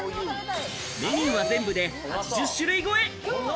メニューは全部で８０種類超え。